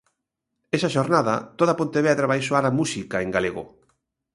Esa xornada toda Pontevedra vai soar a música en galego.